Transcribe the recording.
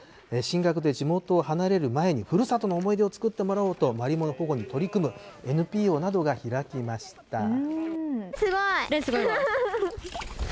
進学で地元を離れる前に、ふるさとの思い出を作ってもらおうと、マリモの保護に取り組むＮＰＯなどが開きました。